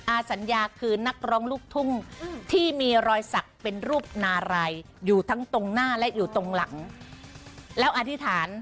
อาสัญญาคือนักร้องลูกทุ่งที่มีรอยสักเป็นรูปนารัยอยู่ทั้งตรงหน้าและอยู่ตรงหลังแล้วอธิษฐาน